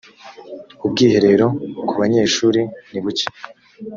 ubwiherero ku banyeshuri nibuke